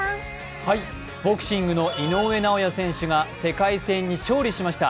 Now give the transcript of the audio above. ボクシングの井上尚弥選手が世界戦に勝利しました。